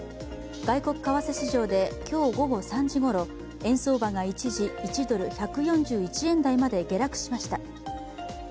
外国為替市場で今日午後３時ごろ円相場が一時１ドル＝１４１円台まで下落しました。